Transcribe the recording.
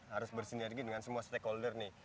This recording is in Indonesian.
harus bersinergi dengan semua stakeholder nih